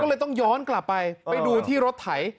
ก็เลยต้องย้อนกลับไปไปดูที่รถไถ